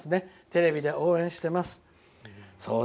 テレビで応援しています」。